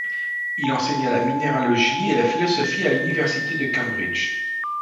Il enseigna la minéralogie et la philosophie à l'université de Cambridge.